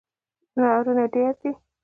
زما ورونه ډیر دي